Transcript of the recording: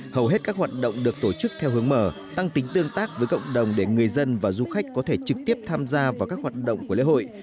hầu hết các hoạt động được tổ chức theo hướng mở tăng tính tương tác với cộng đồng để người dân và du khách có thể trực tiếp tham gia vào các hoạt động của lễ hội